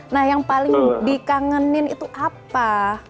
nah yang paling dikangenin itu apa